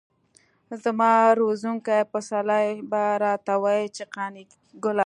زما روزونکي پسرلي به راته ويل چې قانع ګله.